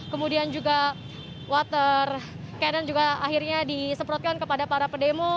kemudian juga water cannon juga akhirnya disemprotkan kepada para pedemo